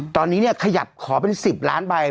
ตอนนี้ขยับขอเป็น๑๐ล้านใบ